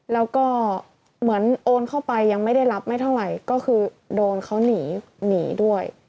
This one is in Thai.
แล้วก็เหมือนโอนเข้าไปยังไม่ได้รับไม่เท่าไหร่ก็คือโดนเขาหนีหนีด้วย